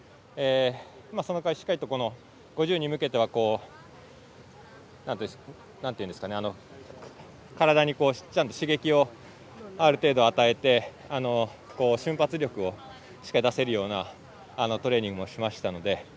その代わり、しっかりと５０に向けては体に刺激をある程度与えて瞬発力をしっかり出せるようなトレーニングもしましたので。